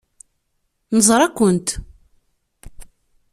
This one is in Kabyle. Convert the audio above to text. Neẓra-kent.